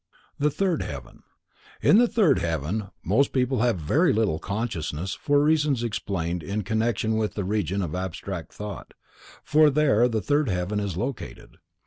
The Third Heaven. In the third heaven most people have very little consciousness for reasons explained in connection with the Region of Abstract Thought, for there the third heaven is located.